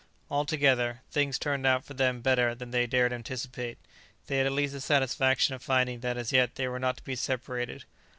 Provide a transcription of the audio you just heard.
Altogether, things turned out for them better than they dared anticipate. They had at least the satisfaction of finding that as yet they were not to be separated.